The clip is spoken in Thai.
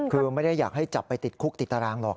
คือไม่ได้อยากให้จับไปติดคุกติดตารางหรอก